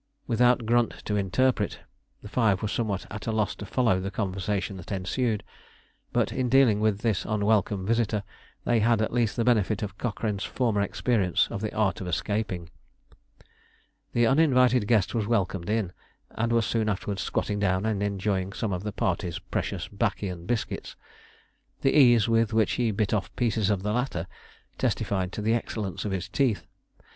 Without Grunt to interpret, the five were somewhat at a loss to follow the conversation that ensued, but, in dealing with this unwelcome visitor, they at least had the benefit of Cochrane's former experience of the art of escaping. The uninvited guest was welcomed in, and was soon afterwards squatting down and enjoying some of the party's precious 'baccy and biscuits. The ease with which he bit off pieces of the latter testified to the excellence of his teeth.